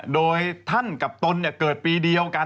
โดยท่านกับตนเกิดปีเดียวกัน